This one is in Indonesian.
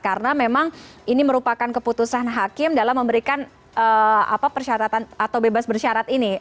karena memang ini merupakan keputusan hakim dalam memberikan persyaratan atau bebas bersyarat ini